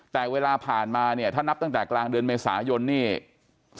แต่เวลาผ่านมาเนี่ยถ้านับตั้งแต่กลางเดือนเมษายนนี่